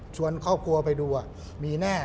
ครอบครัวไปดูมีแน่